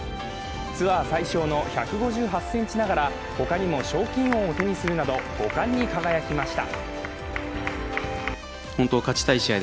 ツアー最小の１５８ｃｍながらほかにも賞金王を手にするなど５冠に輝きました。